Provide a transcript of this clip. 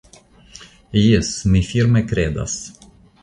Jes, mi firme kredas.